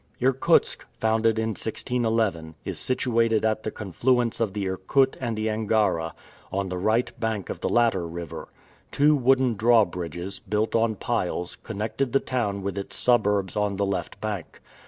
Irkutsk, founded in 1611, is situated at the confluence of the Irkut and the Angara, on the right bank of the latter river. Two wooden draw bridges, built on piles, connected the town with its suburbs on the left bank.